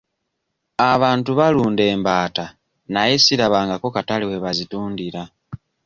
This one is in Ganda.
Abantu balunda embaata naye sirabangako katale we bazitundira.